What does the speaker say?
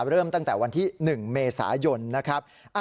เริ่มตั้งแต่วันที่๑เมษายนนะครับ